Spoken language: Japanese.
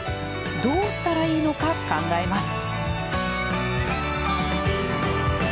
どうしたらいいのか、考えます。